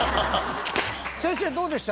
先生どうでした？